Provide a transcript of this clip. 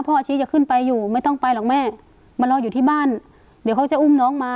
อาชี้จะขึ้นไปอยู่ไม่ต้องไปหรอกแม่มารออยู่ที่บ้านเดี๋ยวเขาจะอุ้มน้องมา